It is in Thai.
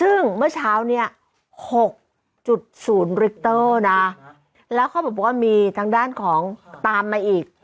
ซึ่งเมื่อเช้าเนี่ย๖๐ริกเตอร์นะแล้วเขาบอกว่ามีทางด้านของตามมาอีก